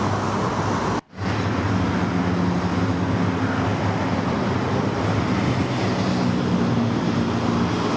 kepadatan arus kendaraan yang juga terpantau di sekitar lokasi